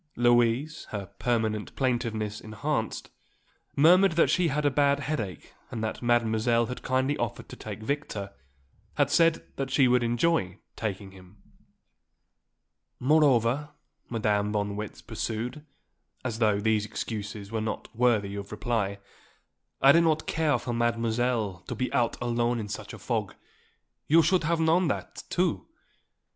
Louise, her permanent plaintiveness enhanced, murmured that she had a bad headache and that Mademoiselle had kindly offered to take Victor, had said that she would enjoy taking him. "Moreover," Madame von Marwitz pursued, as though these excuses were not worthy of reply, "I do not care for Mademoiselle to be out alone in such a fog. You should have known that, too.